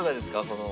この。